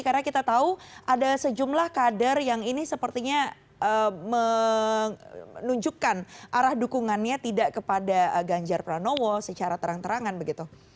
karena kita tahu ada sejumlah kader yang ini sepertinya menunjukkan arah dukungannya tidak kepada ganjar pranowo secara terang terangan begitu